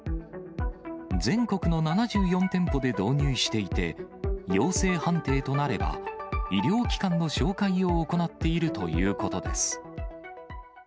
全国の７４店舗で導入していて、陽性判定となれば、医療機関の紹介を行っているということです。